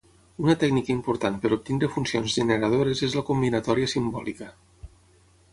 Una tècnica important per obtenir funcions generadores és la combinatòria simbòlica.